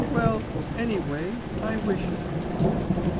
Well, any way, I wish it.